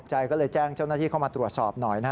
ใจก็เลยแจ้งเจ้าหน้าที่เข้ามาตรวจสอบหน่อยนะฮะ